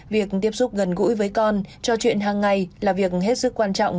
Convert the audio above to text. việc tiếp xúc gần gũi với con trò chuyện hàng ngày là việc hết sức quan trọng